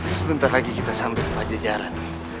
sebentar lagi kita sampai di pajajaran